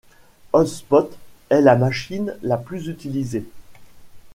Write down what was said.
HotSpot est la machine la plus utilisée.